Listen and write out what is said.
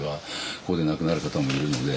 ここで亡くなる方もいるので。